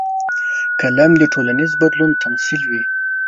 قلم د ټولنیز بدلون تمثیلوي